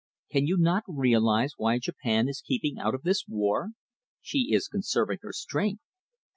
Can you not realise why Japan is keeping out of this war? She is conserving her strength.